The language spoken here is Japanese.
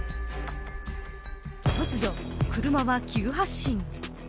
突如、車が急発進。